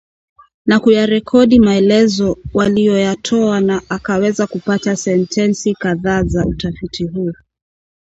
na kuyarekodi maelezo waliyoyatoa na akaweza kupata sentensi kadhaza utafiti huu